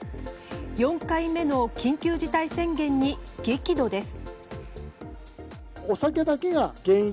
４回目の緊急事態宣言に激怒です。